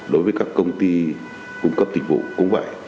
đối với các công ty cung cấp dịch vụ cũng vậy